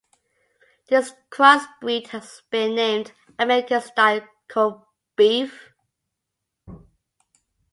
This crossbreed has been named American Style Kobe Beef.